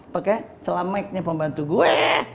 pake selameknya pembantu gue